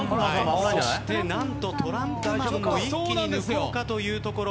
そしてなんとトランプマンも一気に抜こうかというところ。